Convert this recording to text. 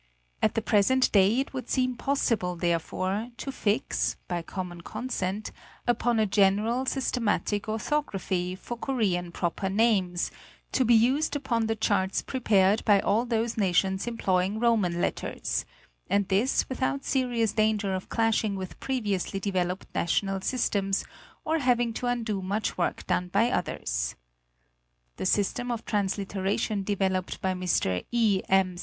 At the present day it would seem possible, therefore, to fix, by common consent, upon a general, systematic orthography for Korean proper names, to be used upon the charts prepared by all those nations employ ing Roman letters; and this without serious danger of clashing with previously developed national systems, or having to undo much work done by others. The system of transliteration developed by Mr. E. M.